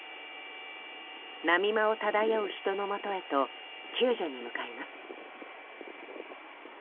波間を漂う人のもとへと救助に向かいます。